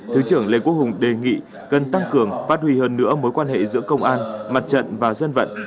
thứ trưởng lê quốc hùng đề nghị cần tăng cường phát huy hơn nữa mối quan hệ giữa công an mặt trận và dân vận